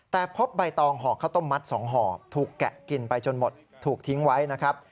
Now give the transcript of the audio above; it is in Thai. แต่พบใบตองห่อข้าวต้มมัด๒ห่อถูกแกะกินไปจนหมดถูกทิ้งไว้นะครับ